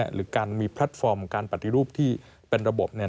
หรือการมีแพลตฟอร์มการปฏิรูปที่เป็นระบบ